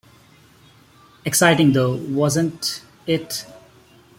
Exciting, though... "was"n't it?!